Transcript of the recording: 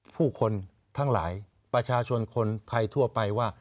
ผู้คนทั้งหลายประชาชนคนไทยทั่วไปว่า